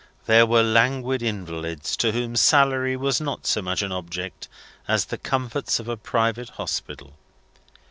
There were languid invalids, to whom salary was not so much an object as the comforts of a private hospital.